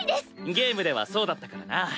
ゲームではそうだったからな。